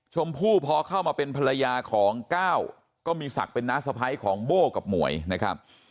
ชมพู่พอเข้ามาเป็นภรรยาของก้าวก็มีศักดิ์เป็นน้าสะพ้ายของโบ้กับหมวยนะครับ